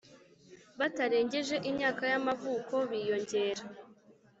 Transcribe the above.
Batarengeje imyaka y amavuko biyongera